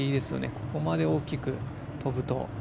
ここまで大きく跳ぶと。